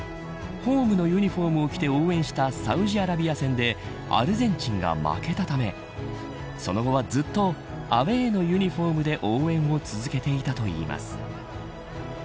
ホームのユニホームを着て応援したサウジアラビア戦でアルゼンチンが負けたためその後はずっとアウェーのユニホームで応援を続けていたといいます。